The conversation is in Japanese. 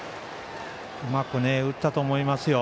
うまく打ったと思いますよ。